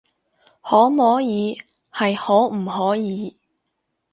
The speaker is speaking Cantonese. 可摸耳係可唔可以